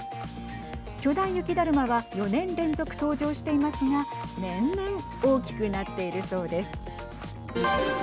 巨大雪だるまは４年連続登場していますが年々大きくなっているそうです。